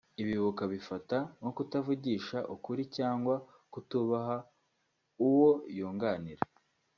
ibi bukabifata nko kutavugisha ukuri cyangwa kutubaha uwo yunganira